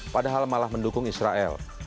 padahal malah mendukung israel